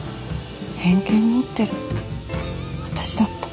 偏見持ってるの私だった。